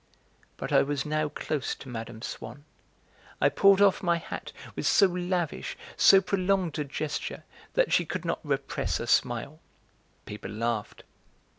But I was now close to Mme. Swann; I pulled off my hat with so lavish, so prolonged a gesture that she could not repress a smile. People laughed.